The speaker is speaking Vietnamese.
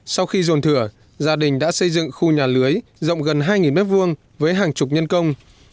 sau khi dồn thửa gia đình đã xây dựng khu nhà lưới rộng gần hai m hai với hàng chục nhân công